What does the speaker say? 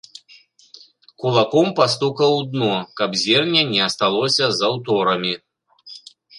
Кулаком пастукаў у дно, каб зерне не асталося за ўторамі.